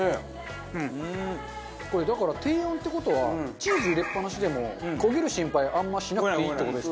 これだから低温って事はチーズ入れっぱなしでも焦げる心配あんましなくていいって事ですよね。